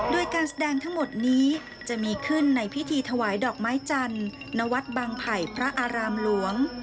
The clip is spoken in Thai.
โดยการแสดงทั้งหมดนี้จะมีขึ้นในพิธีถวายดอกไม้จันทร์ณวัดบางไผ่พระอารามหลวง